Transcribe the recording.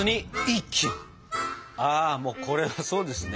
あもうこれはそうですね。